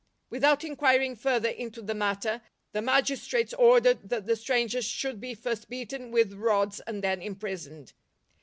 Without inquiring further into the matter, LIFE OF ST. PAUL the magistrates ordered that the strangers should be first beaten with rods and then imprisoned.